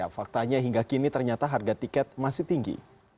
faktanya hingga kini ternyata harga tiket masih tinggi